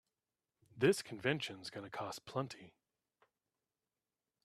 This convention's gonna cost plenty.